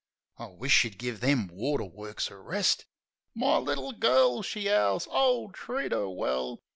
(I wish she'd give them water works a rest.) "My little girl!" she 'owls. "O, treat 'er well!